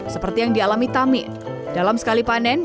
seperti yang dialami tamin dalam sekali panen